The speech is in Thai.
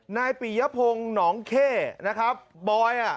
นายปริยพงศ์นองเคบอย